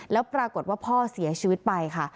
แล้วปรากฏว่าพ่อเสียชีวิตไปค่ะ